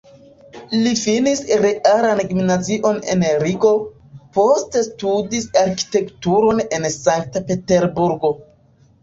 Li finis realan gimnazion en Rigo, poste studis arkitekturon en Sankt-Peterburgo.